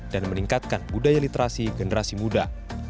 dan meningkatkan budaya literasi generasi muda